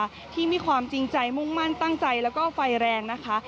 ที่มีความจริงใจมุ่งมั่นตั้งใจแล้วก็ไฟแรงนะคะ